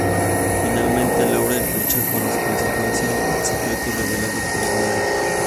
Finalmente, Laurel lucha con las consecuencias del secreto revelado por Slade.